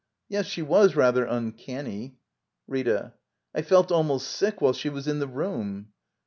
Yes, she was rather uncanny. Rita. I felt almost sick while she was in the room.